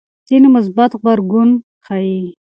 ځینې مثبت غبرګون ښيي.